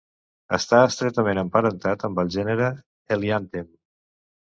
Està estretament emparentat amb el gènere heliantem.